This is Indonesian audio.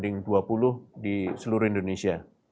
secara rasio yaitu satu dua puluh di seluruh indonesia